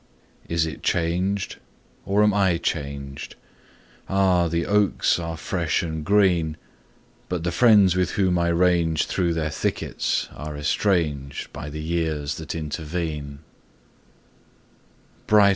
Is it changed, or am I changed? Ah! the oaks are fresh and green, But the friends with whom I ranged Through their thickets are estranged By the years that intervene.